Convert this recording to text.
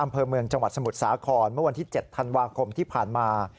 อำเภอเมืองจังหวัดสมุทรสาครเมื่อวันที่๗ธันวาคมที่ผ่านมา